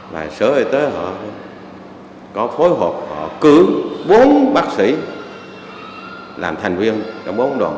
và sở y tế họ có phối hợp họ cử bốn bác sĩ làm thành viên trong bốn đoàn